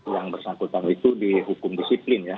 yang bersangkutan itu dihukum disiplin ya